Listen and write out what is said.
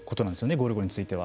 ゴルゴについては。